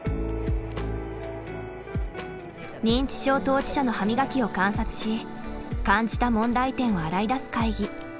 認知症当事者の歯磨きを観察し感じた問題点を洗い出す会議。